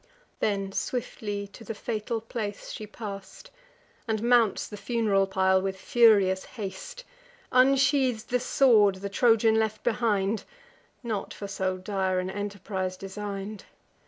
Then swiftly to the fatal place she pass'd, And mounts the fun'ral pile with furious haste; Unsheathes the sword the Trojan left behind (Not for so dire an enterprise design'd).